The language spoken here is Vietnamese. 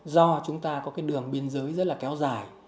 do chúng ta có cái đường biên giới rất là kéo dài